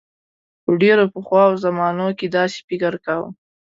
په ډیرو پخوا زمانو کې داسې فکر کاؤ.